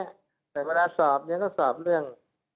แต่เวลาสอบก็สอบเรื่อง